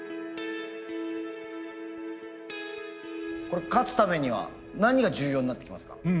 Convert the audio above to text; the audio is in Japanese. これ勝つためには何が重要になってきますか？